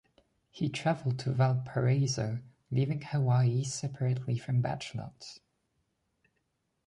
He traveled to Valparaiso, leaving Hawaii separately from Bachelot.